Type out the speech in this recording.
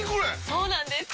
そうなんです！